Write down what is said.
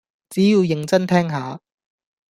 只要認真聽下